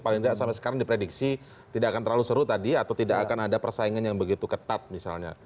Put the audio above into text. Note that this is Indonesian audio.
paling tidak sampai sekarang diprediksi tidak akan terlalu seru tadi atau tidak akan ada persaingan yang begitu ketat misalnya